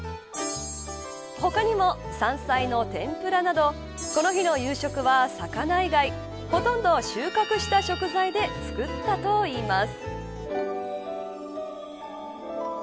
他にも山菜の天ぷらなどこの日の夕食は魚以外ほとんど収穫した食材で作ったといいます。